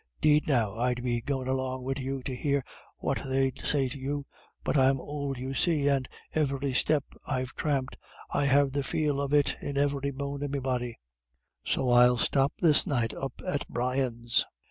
'Deed now, I'd be goin' along wid you to hear what they'll say to it, but I'm ould you see, and ivery step I've thramped I have the feel of in ivery bone of me body; so I'll stop this night up at Brian's."